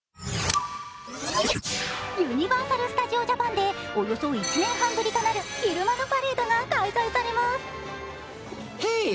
ユニバーサル・スタジオ・ジャパンでおよそ１年半ぶりとなる昼間のパレードが再開されます。